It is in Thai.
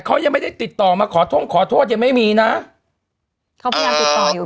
เขายังไม่ได้ติดต่อมาขอโทษขอโทษยังไม่มีนะเขาพยายาม